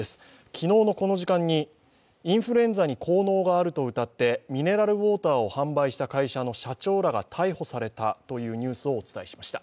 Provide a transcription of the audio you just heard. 昨日のこの時間にインフルエンザに効能があるとうたってミネラルウォーターを販売した会社の社長らが逮捕されたというニュースをお伝えしました。